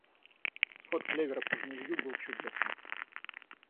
Всход клевера по жнивью был чудесный.